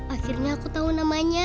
akhirnya aku tau namanya